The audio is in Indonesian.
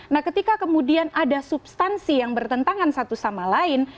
nah ketika kemudian ada substansi yang bertentangan satu sama lain